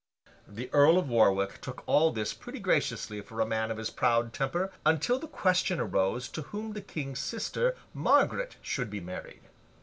The Earl of Warwick took all this pretty graciously for a man of his proud temper, until the question arose to whom the King's sister, Margaret, should be married.